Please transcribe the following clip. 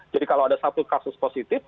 jadi kalau ada satu kasus positif